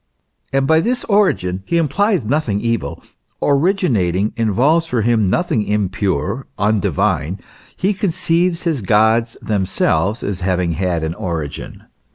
And by this origin he implies nothing evil ; originating involves for him nothing impure, undivine ; he conceives his gods themselves as having had an origin.